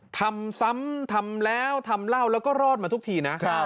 ทำซ้ำทำแล้วทำเหล้าแล้วก็รอดมาทุกทีนะ